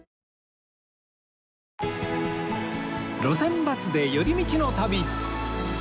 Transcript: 『路線バスで寄り道の旅』